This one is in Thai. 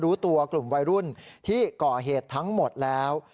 รู้ตัวกลุ่มวัยรุ่นที่ก่อเหตุทั้งหมดแล้ว